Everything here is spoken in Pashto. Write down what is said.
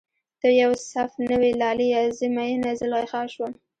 ته یو سف نه وی لالیه، زه میینه زلیخا شوم